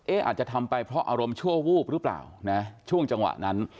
อาจจะทำไปเพราะอารมณ์ชั่ววูบหรือเปล่านะช่วงจังหวะนั้น